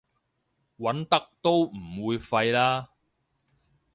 揾得都唔會廢啦